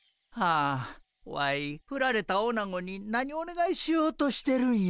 あワイふられたオナゴに何おねがいしようとしてるんや。